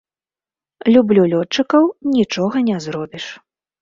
Люблю лётчыкаў, нічога не зробіш.